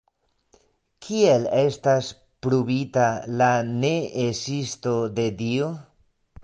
Kiel estas ‘pruvita’ la ne-ezisto de Dio?